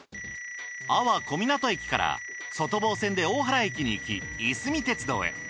安房小湊駅から外房線で大原駅に行きいすみ鉄道へ。